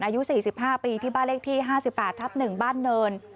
อายุ๔๕ปีที่บ้านเลขที่๕๘ทับ๑บ้านเนิน